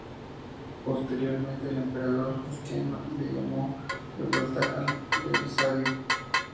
Posteriormente, el emperador Justiniano I llamó de vuelta a Belisario.